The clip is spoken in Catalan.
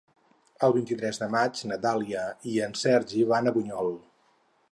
El vint-i-tres de maig na Dàlia i en Sergi van a Bunyol.